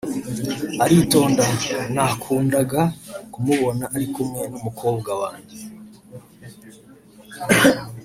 aritonda nakundaga kumubona ari kumwe n’umukobwa wanjye